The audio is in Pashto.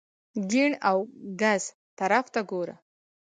ګېڼ او ګس طرف ته ګوره !